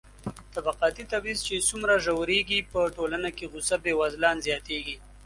طبقاتي تبعيض چې څومره ژورېږي، په ټولنه کې غوسه بېوزلان زياتېږي.